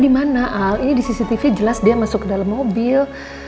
ini di cctv jelas dia masuk ke mobil